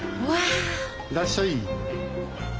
いらっしゃい。